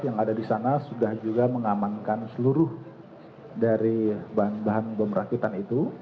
yang ada di sana sudah juga mengamankan seluruh dari bahan bahan bom rakitan itu